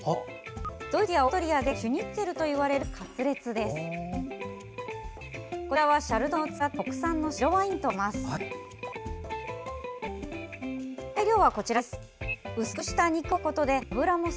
ドイツやオーストリアでシュニッツェルといわれるカツレツです。